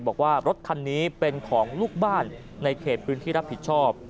บอกว่ารถคันนี้เป็นของลูกบ้านในเขตพื้นที่รับผิดชอบ